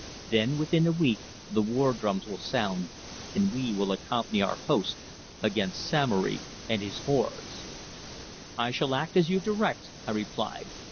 Then, within a week, the war drums will sound and we will accompany our hosts against Samory and his hordes." "I shall act as you direct," I replied.